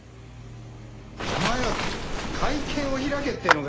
お前は会見を開けっていうのか？